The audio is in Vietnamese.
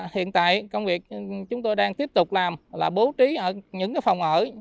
hiện tại công việc chúng tôi đang tiếp tục làm là bố trí ở những phòng ở